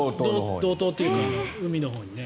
道東というか海のほうにね。